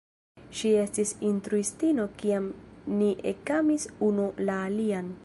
Ŝi estis instruistino, kiam ni ekamis unu la alian.